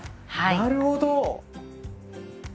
あなるほど！